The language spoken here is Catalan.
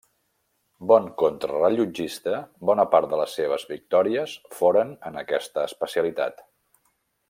Bon contrarellotgista, bona part de les seves victòries foren en aquesta especialitat.